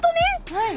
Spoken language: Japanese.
はい。